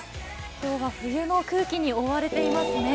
今日は冬の空気に覆われていますね。